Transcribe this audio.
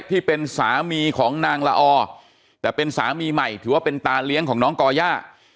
ที่เป็นสามีของนางละอแต่เป็นสามีใหม่ถือว่าเป็นตาเลี้ยงของน้องก่อย่า